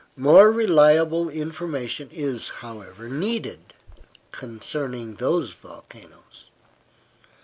More reliable information is, however, needed concerning these volcanoes.